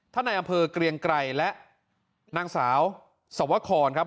ในอำเภอเกรียงไกรและนางสาวสวครครับ